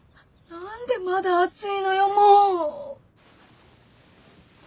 何でまだ熱いのよもう！